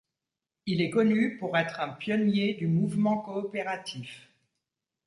Il est connu pour être un pionnier du mouvement coopératif.